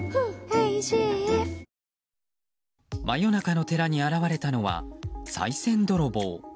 真夜中の寺に現れたのはさい銭泥棒。